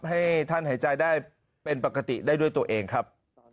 ให้ท่านหายใจได้เป็นปกติได้ด้วยตัวเองครับ